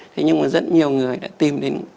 thế nhưng mà rất nhiều người đã tìm đến